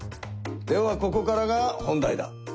ではここからが本題だ。